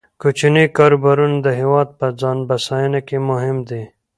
کوچني کاروبارونه د هیواد په ځان بسیاینه کې مهم دي.